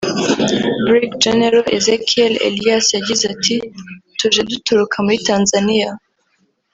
Brig General Ezekiel Elias yagize ati ”Tuje duturuka muri Tanzaniya